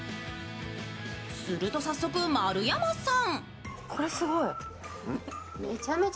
すると早速、丸山さん。